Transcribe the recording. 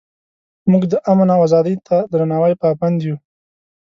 موږ د امن او ازادۍ ته درناوي پابند یو.